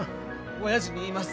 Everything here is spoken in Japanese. おやじに言います